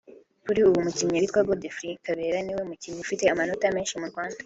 Kuri ubu umukinnyi witwa Godfrey Kabera niwe mukinnyi ufite amanota menshi mu Rwanda